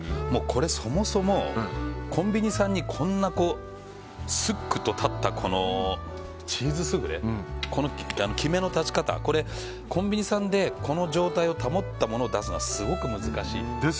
これ、そもそもコンビニさんにこんな、すっくと立ったチーズスフレ、きめの立ち方コンビニさんでこの状態を保ったものを出すのはすごく難しい。